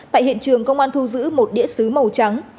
tại hiện trường công an thu giữ một đĩa xứ màu trắng